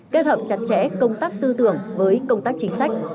kết hợp chặt chẽ công tác tư tưởng với công tác chính sách